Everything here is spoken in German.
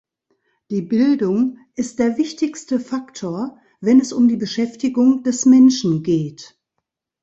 Die Bildung ist der wichtigste Faktor, wenn es um die Beschäftigung des Menschen geht.